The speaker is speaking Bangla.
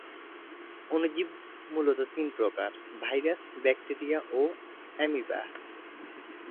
অণুজীব মূলত তিন প্রকার: ভাইরাস, ব্যাকটেরিয়া ও অ্যামিবা।